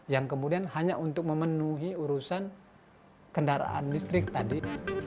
yang kemudian hanya untuk memenuhi urusan kendaraan listrik tadi